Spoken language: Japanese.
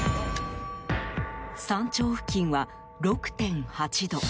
山頂付近は６．８度。